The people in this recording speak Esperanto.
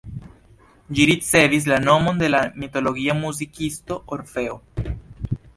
Ĝi ricevis la nomon de la mitologia muzikisto Orfeo.